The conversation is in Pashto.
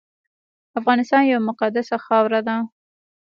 افغانستان یوه مقدسه خاوره ده